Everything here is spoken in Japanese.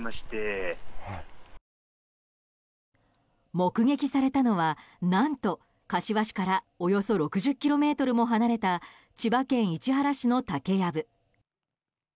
目撃されたのは何と柏市からおよそ６０ｋｍも離れた千葉県市原市の竹やぶ。